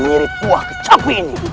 mengirim buah kecapi ini